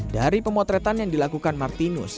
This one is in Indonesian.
dari pemotretan yang dilakukan martinus